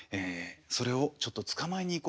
それをちょっと捕まえに行こうかと。